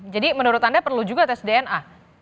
jadi menurut anda perlu juga tes dna